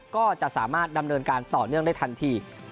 ก็จะสามารถดำเนินการต่อเนื่องได้ทันที